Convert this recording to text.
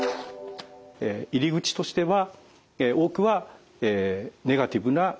入り口としては多くはネガティブなライフイベント。